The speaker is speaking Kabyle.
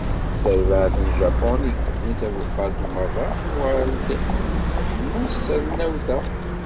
Tarbaεt n Japun i yewwin tabuqalt Umaḍal, tuɣal-d teḥma s trennawt-a.